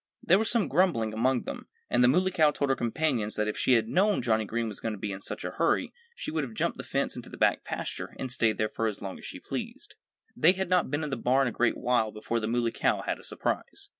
There was some grumbling among them. And the Muley Cow told her companions that if she had known Johnnie Green was going to be in such a hurry she would have jumped the fence into the back pasture and stayed there as long as she pleased. They had not been in the barn a great while before the Muley Cow had a surprise.